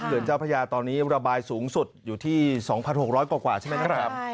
เจ้าพระยาตอนนี้ระบายสูงสุดอยู่ที่๒๖๐๐กว่าใช่ไหมครับ